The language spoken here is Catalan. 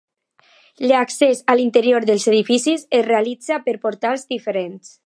L'accés a l'interior dels edificis es realitza per portals diferents.